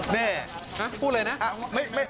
นี่